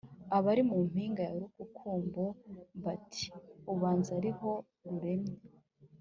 Abari mu mpinga ya Rukukumbo bati: Ubanza ariho ruremye,